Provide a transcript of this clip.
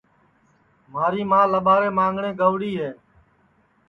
مھاری ماں لٻارے مانگٹؔیں گئوڑی ہے